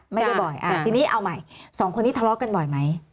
ไม่ได้บ่อยทีนี้เอาใหม่สองคนนี้ทะเลาะกันบ่อยไหม